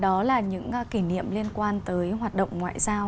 đó là những kỷ niệm liên quan tới hoạt động ngoại giao